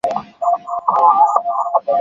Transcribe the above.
Zinguo la mtukufu ni ufito